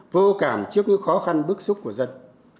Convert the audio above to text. vô cảm trước những khó khăn bức xúc của dân